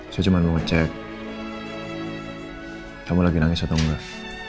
saya cuma mau ngecek kamu lagi nangis atau enggak